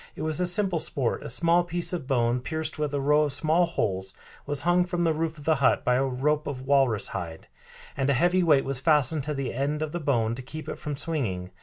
It was a simple sport; a small piece of bone, pierced with a row of small holes, was hung from the roof of the hut by a rope of walrus hide, and a heavy weight was fastened to the end of the bone to keep it from swinging.